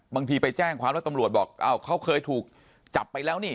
บางทีไปแจ้งความแล้วตำรวจบอกเขาเคยถูกจับไปแล้วนี่